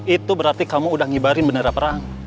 itu berarti kamu udah ngibarin bendera perang